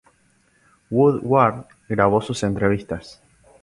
Woodward grabó sus entrevistas.